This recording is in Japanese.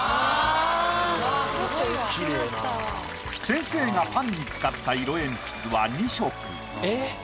先生がパンに使った色鉛筆は２色。